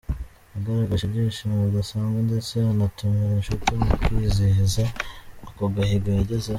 Yagaragaje ibyishimo bidasanzwe ndetse anatumira inshuti mu kwizihiza ako gahigo yagezeho.